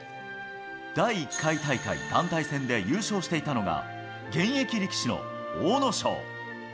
第１回大会団体戦で優勝していたのが、現役力士の阿武咲。